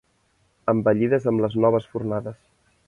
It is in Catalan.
Embellides amb les noves fornades.